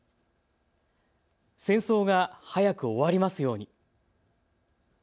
戦争が早く終わりますように。